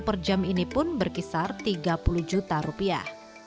dua puluh km per jam ini pun berkisar tiga puluh juta rupiah